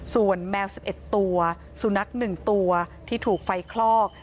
ส่วนแมว๑๑ตัวสุนัข๑ตัวที่ถูกไฟคลอก